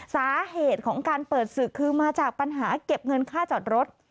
สาเหตุของการเปิดศึกคือมาจากปัญหาเก็บเงินค่าจอดรถ